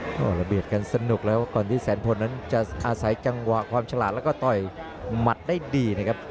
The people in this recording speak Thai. ออกระเบียบกันสนุกแล้วก่อนที่แสนพลนั้นจะอาศัยจังหวะความฉลาดแล้วก็ต่อยหมัดได้ดีนะครับ